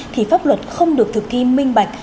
thì pháp luật không được thực ghi minh bạch